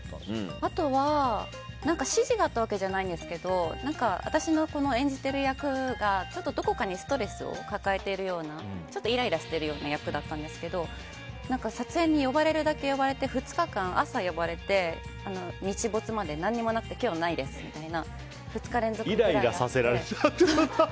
あとは指示があったわけじゃないんですけど私の演じている役がちょっとどこかにストレスを抱えているようなちょっとイライラしているような役だったんですけど撮影に呼ばれるだけ呼ばれて２日間、朝呼ばれて、日没まで何もなくて今日はないですみたいな。